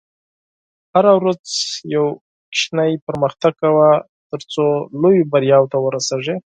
هره ورځ یو کوچنی پرمختګ کوه، ترڅو لویو بریاوو ته ورسېږې.